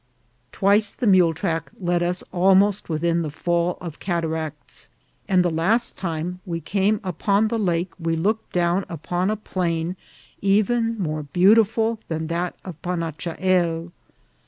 Twice the mule track led us almost with in the fall of cataracts, and the last time we came upon the lake we looked down upon a plain even more beautiful than that of Panachahel.